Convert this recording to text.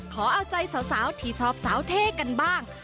ขอเอาใจสาวที่ชอบสาวเท่กันบ้าง